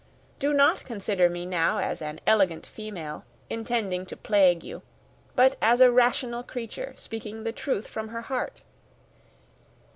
Do not consider me now as an elegant female intending to plague you, but as a rational creature speaking the truth from her heart."